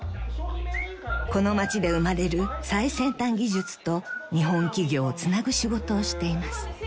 ［この町で生まれる最先端技術と日本企業をつなぐ仕事をしています］